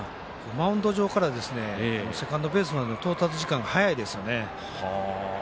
マウンド上からセカンドベースまでの到達時間が速いですよね。